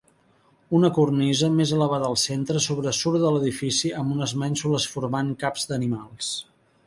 Una cornisa, més elevada al centre, sobresurt de l'edifici, amb unes mènsules formant caps d'animals.